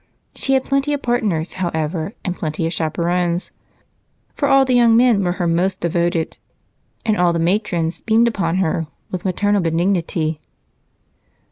She had plenty of partners, however, and plenty of chaperons, for all the young men were her most devoted, and all the matrons beamed upon her with maternal benignity.